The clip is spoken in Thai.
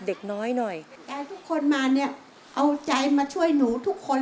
เรารู้ว่าเก่งแล้วนะครับ